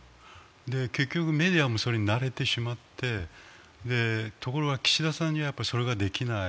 結局、メディアもそれに慣れてしまってところが岸田さんにはそれができない。